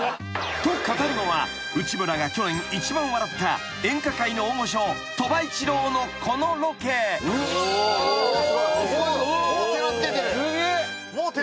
［と語るのは内村が去年一番笑った演歌界の大御所鳥羽一郎のこのロケ］手なずけてる。